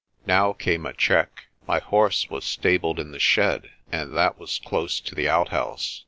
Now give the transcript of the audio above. Now came a check. My horse was stabled in the shed, and that was close to the outhouse.